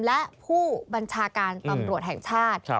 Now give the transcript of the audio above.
และผู้บัญชาการตำรวจแห่งชาติ